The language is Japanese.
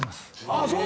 あっそう！